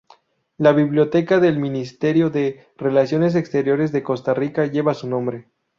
La biblioteca del Ministerio de Relaciones Exteriores de Costa Rica lleva su nombre.